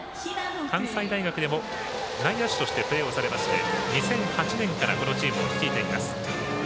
関西大学でも内野手としてプレーされまして２００８年からこのチームを率いています。